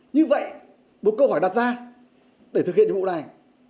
như vậy một câu hỏi đặt ra để thực hiện nhiệm vụ này